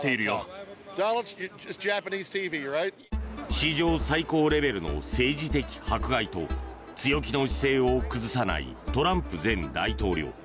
史上最高レベルの政治的迫害と強気な姿勢を崩さないトランプ前大統領。